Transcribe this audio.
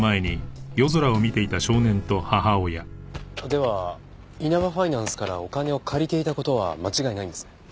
ではイナバファイナンスからお金を借りていた事は間違いないんですね。